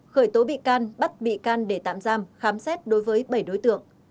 khởi tố bị can bắt bị can để tạm giam khám xét đối với bảy đối tượng